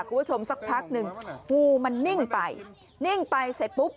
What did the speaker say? สักพักหนึ่งงูมันนิ่งไปนิ่งไปเสร็จปุ๊บ